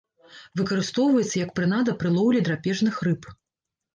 Выкарыстоўваецца як прынада пры лоўлі драпежных рыб.